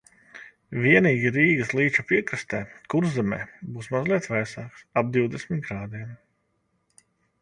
Vienīgi Rīgas līča piekrastē Kurzemē būs mazliet vēsāks – ap divdesmit grādiem.